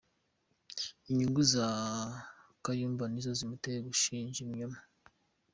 Inyungu za Kayumba nizo zamuteye gushinja ibinyoma